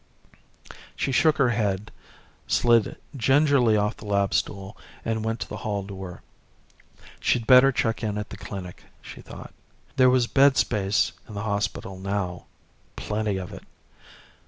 She shook her head, slid gingerly off the lab stool and went to the hall door. She'd better check in at the clinic, she thought. There was bed space in the hospital now. Plenty of it.